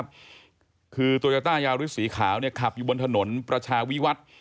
ผู้สีขาวขับอยู่บนถนนประชาวิวัฒน์